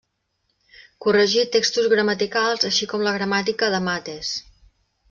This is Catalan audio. Corregí textos gramaticals, així com la gramàtica de Mates.